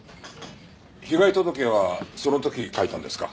被害届はその時書いたんですか？